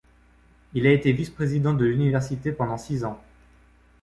Il a été vice-président de l'université pendant six ans.